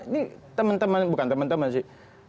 ini teman teman bukan teman teman sih